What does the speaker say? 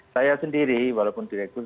saya sendiri walaupun direktur